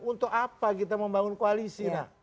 untuk apa kita membangun koalisi